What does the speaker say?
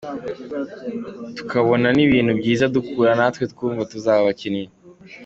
tukabona ni ibintu byiza dukura natwe twumva tuzaba abakinnyi”.